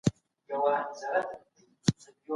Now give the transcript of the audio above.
خپل سياسي قدرت په سمه توګه وکاروئ.